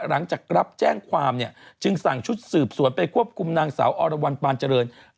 หลังจากรับแจ้งความจึงสั่งชุดสืบสวนไปควบคุมนางสาวอวปาญจริง